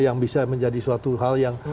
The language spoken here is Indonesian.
yang bisa menjadi suatu hal yang